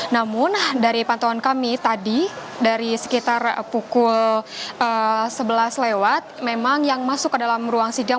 namun dari pantauan kami tadi dari sekitar pukul sebelas lewat memang yang masuk ke dalam ruang sidang